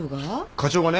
課長がね